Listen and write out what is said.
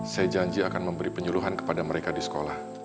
saya janji akan memberi penyuluhan kepada mereka di sekolah